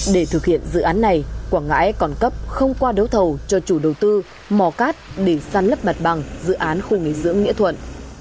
để thực hiện dự án này quảng ngãi còn cấp không qua đấu thầu cho chủ đầu tư mò cát để săn lấp mặt bằng dự án khu nghỉ dưỡng nghĩa thuận